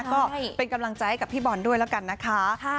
ก็เป็นกำลังใจกับพี่บอลด้วยแล้วกันนะคะ